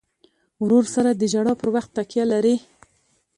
ورور سره د ژړا پر وخت تکیه لرې.